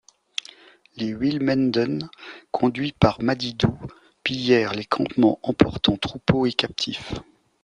Les iullemenden conduit par Madidou pillèrent les campements emportant troupeaux et captifs.